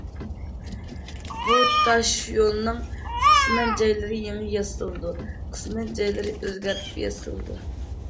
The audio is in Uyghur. بۇ تاشيولنىڭ قىسمەن جايلىرى يېڭى ياسىلىدۇ، قىسمەن جايلىرى ئۆزگەرتىپ ياسىلىدۇ.